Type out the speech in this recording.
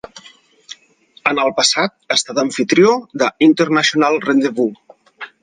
En el passat ha estat amfitrió de "International Rendezvous".